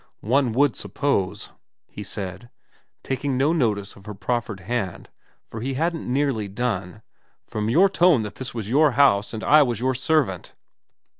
' One would suppose,' he said, taking no notice of her proffered hand, for he hadn't nearly done, ' from your tone that this was your hous and I was your servant.'